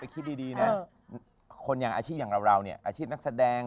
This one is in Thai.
คนอาชีพอย่างเราเราเนี่ยอาชีพนักแสดง